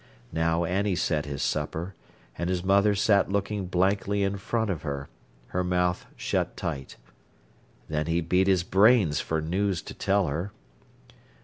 Now Annie set his supper, and his mother sat looking blankly in front of her, her mouth shut tight. Then he beat his brains for news to tell her.